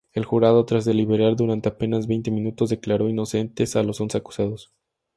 El jurado, tras deliberar durante apenas veinte minutos, declaró inocentes a los once acusados.